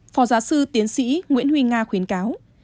phó giáo sư tiến sĩ nguyễn huy nga khuyến cáo